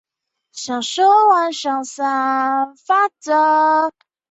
有奴派还把铁犁牛耕和中央集权视为封建社会取代奴隶社会的特征。